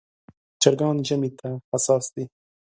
چرګان ژمي ته حساس دي.